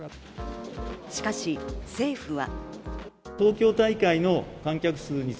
しかし政府は。